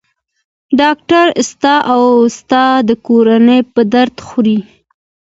ډاکټر ستا او ستا د کورنۍ په درد خوري.